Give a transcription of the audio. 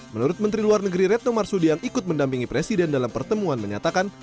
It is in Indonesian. menurut menteri luar negeri retno marsudi yang ikut mendampingi presiden dalam pertemuan menyatakan